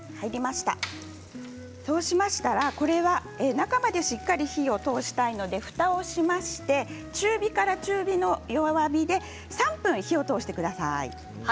中までしっかりと火を通したいのでふたをしまして中火から中火の弱火で３分火を通してください。